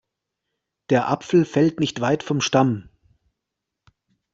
Der Apfel fällt nicht weit vom Stamm.